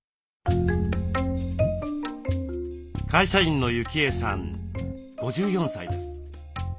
会社員の幸枝さん５４歳です。